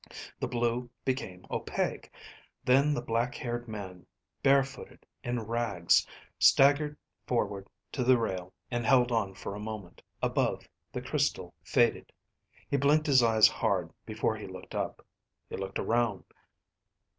The blue became opaque. Then the black haired man, barefooted, in rags, staggered forward to the rail and held on for a moment. Above, the crystal faded. He blinked his eyes hard before he looked up. He looked around.